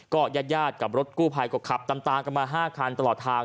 ญาติกับรถกู้ภัยก็ขับตามกันมา๕คันตลอดทาง